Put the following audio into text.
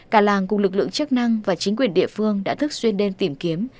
cả làng cùng lực lượng chức năng và chính quyền địa phương đã thức xuyên đêm tìm kiếm